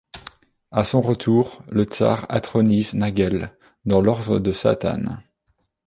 À son retour, le tsar intronise Nagel dans l'Ordre de Sainte-Anne.